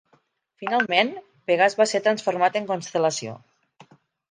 Finalment, Pegàs va ser transformat en constel·lació.